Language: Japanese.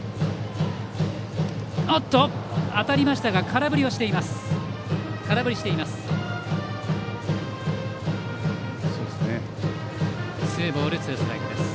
当たりましたが空振りしています。